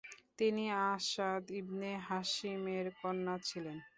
তিনি Asad ibn Hashim এর কন্যা ছিলেন।